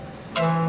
mengapa kita duit sih